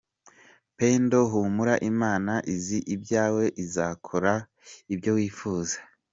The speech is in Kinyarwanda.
pendo humura imana izi ibyawe izakora ibyo wifuza.